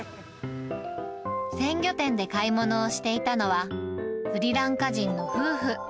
鮮魚店で買い物をしていたのは、スリランカ人の夫婦。